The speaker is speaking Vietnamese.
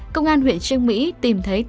công an huyện trương mỹ tìm thấy ngọc anh